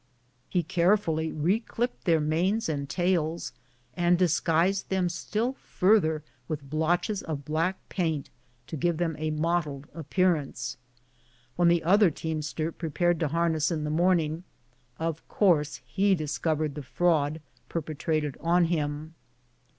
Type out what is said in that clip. He carefully rcclipped their manes and tails, and disguised them still further with blotches of black paint, to give them a mottled appearance. When the other teamster prepared to harness in the morning, of course he discovered the fraud perpetrated on him.